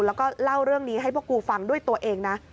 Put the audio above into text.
แล้วก็เล่าเรื่องนี้ให้พวกกูฟังด้วยตัวเองนะ